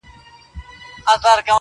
د نظرونو په بدل کي مي فکرونه راوړل